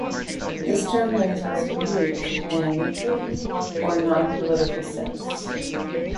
The term is also used in a neutral or non-political sense.